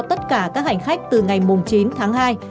tất cả các hành khách từ ngày chín tháng hai